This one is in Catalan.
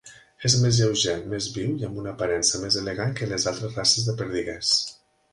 És més lleuger, més viu i amb una aparença més elegant que les altres races de perdiguers.